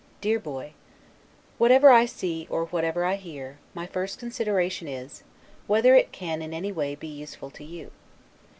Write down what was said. DEAR BOY: Whatever I see or whatever I hear, my first consideration is, whether it can in any way be useful to you.